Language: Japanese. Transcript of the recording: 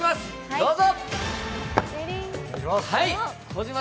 どうぞ。